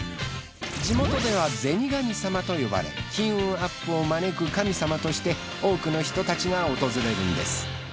地元では銭神様と呼ばれ金運アップを招く神様として多くの人たちが訪れるんです。